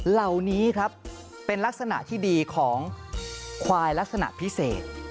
เหล่านี้ครับเป็นลักษณะที่ดีของควายลักษณะพิเศษ